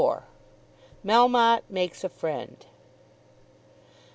MELMOTTE MAKES A FRIEND.